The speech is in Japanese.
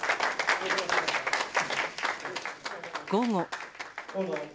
午後。